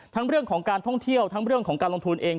เรื่องของการท่องเที่ยวทั้งเรื่องของการลงทุนเอง